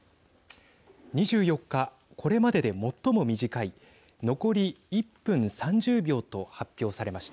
２４日、これまでで最も短い残り１分３０秒と発表されました。